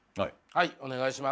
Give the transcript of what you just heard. はいお願いします。